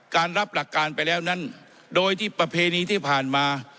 การรับหลักการไปแล้วนั้นโดยที่ประเพณีที่ผ่านมา